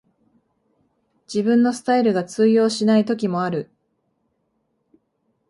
自分のスタイルが通用しない時もある